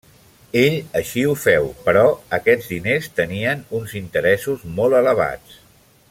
Ell així ho feu, però, aquests diners tenien uns interessos molt elevats.